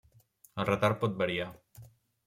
El retard pot variar.